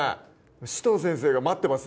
紫藤先生が待ってます